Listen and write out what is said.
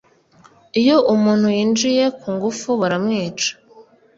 iyo umuntu yinjiye ku ngufu baramwica